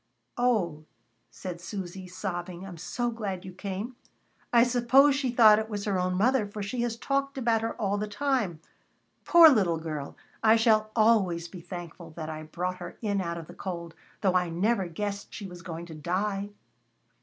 "Oh!" said Susy sobbing, "I'm so glad you came. I s'pose she thought it was her own mother, for she has talked about her all the time. Poor little girl! I shall always be thankful that I brought her in out of the cold, though I never guessed she was going to die."